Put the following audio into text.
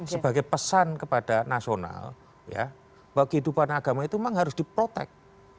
sebagai pesan kepada nasional bahwa kehidupan agama itu memang harus diprotek